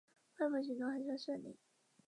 外婆行动还算顺利